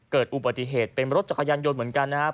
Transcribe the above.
เกิดอุบัติเหตุเป็นรถจักรยานยนต์เหมือนกันนะครับ